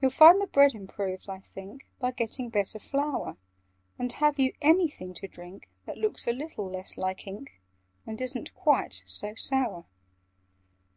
"You'd find the bread improved, I think, By getting better flour: And have you anything to drink That looks a little less like ink, And isn't quite so sour?"